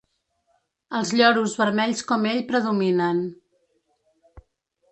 Els lloros vermells com ell predominen.